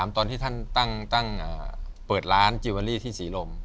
ตอนที่ท่านเปิดร้านจิลเวรี่ที่ศิรม